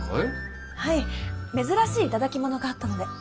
はい珍しい頂き物があったので。